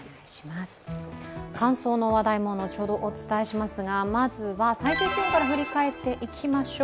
乾燥の話題も後ほどお伝えしますが、まずは、最低気温から振り返っていきましょう。